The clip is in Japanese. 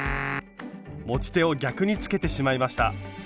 持ち手を逆につけてしまいました。